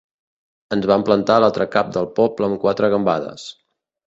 Ens vam plantar a l'altre cap del poble amb quatre gambades.